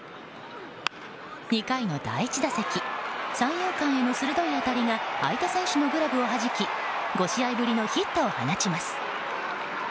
２回の第１打席三遊間への鋭い当たりが相手選手のグラブをはじき５試合ぶりのヒットを放ちます。